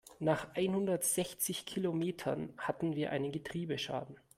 Nach einhundertsechzig Kilometern hatten wir einen Getriebeschaden.